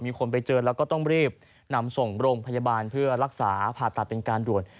มีคนไปเจอแล้วก็ต้องรีบนำส่งโรงพยาบาลเพื่อรักษาผ่าตัดเป็นการด่วน